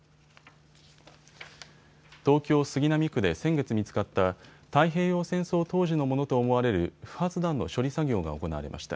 東京杉並区で先月見つかった太平洋戦争当時のものと思われる不発弾の処理作業が行われました。